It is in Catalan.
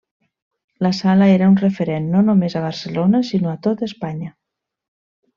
La sala era un referent no només a Barcelona sinó a tot Espanya.